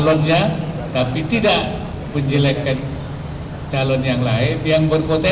untuk tidak melakukan hal hal yang berbeda